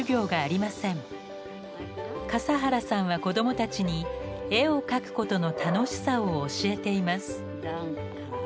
笠原さんは子供たちに絵を描くことの楽しさを教えています。